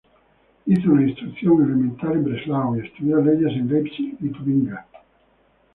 Hizo la instrucción elemental en Breslau y estudió leyes en Leipzig y Tubinga.